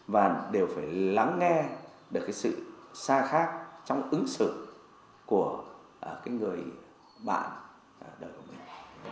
và đều phải lắng nghe được cái sự xa khác trong ứng xử của cái người bạn đời của mình